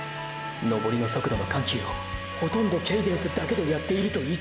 登りの速度の緩急をほとんどケイデンスだけでやっていると言っていい！！